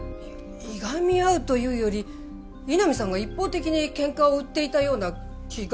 いがみ合うというより井波さんが一方的に喧嘩を売っていたような気がしますけど。